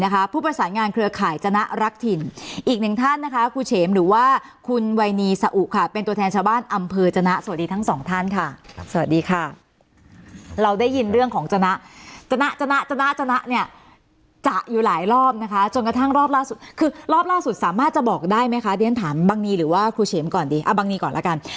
ผู้ประสานงานเครือข่ายจนะรักถิ่นอีกหนึ่งท่านนะคะครูเฉมหรือว่าคุณวัยสะอุค่ะเป็นตัวแทนชาวบ้านอำเภอจนะสวัสดีทั้งสองท่านค่ะสวัสดีค่ะเราได้ยินเรื่องของจนะจนะเนี่ยจะอยู่หลายรอบนะคะจนกระทั่งรอบล่าสุดคือรอบล่าสุดสามารถจะบอกได้ไหมคะเรียนถามบังนีหรือว่าครูเฉมก่อนดีเอาบังนีก่อนแล้วกัน